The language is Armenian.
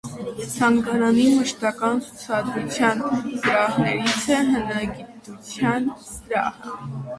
Թանգարանի մշտական ցուցադրության սրահներից է հնագիտութան սրահը։